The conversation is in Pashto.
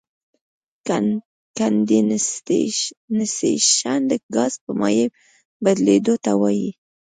کنډېنسیشن د ګاز په مایع بدلیدو ته وایي.